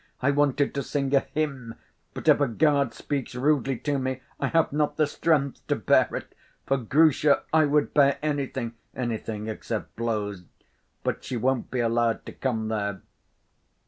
I wanted to sing a 'hymn'; but if a guard speaks rudely to me, I have not the strength to bear it. For Grusha I would bear anything ... anything except blows.... But she won't be allowed to come there."